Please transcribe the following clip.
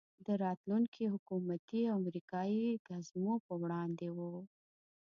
د راتلونکو حکومتي او امریکایي ګزمو په وړاندې وو.